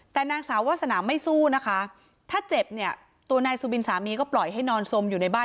แต่นางสาววาสนาไม่สู้นะคะถ้าเจ็บเนี่ยตัวนายสุบินสามีก็ปล่อยให้นอนสมอยู่ในบ้าน